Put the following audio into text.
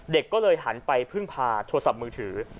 เด็กก็เลยหันไปพึ่งพาโทรศัพท์มือถือ